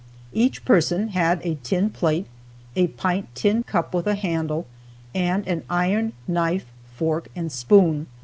Each person had a tin plate, a pint tin cup with a handle, and an iron knife, fork and spoon.